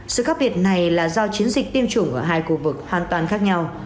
sự khác biệt này là do chiến dịch tiêm chủng ở hai khu vực hoàn toàn khác nhau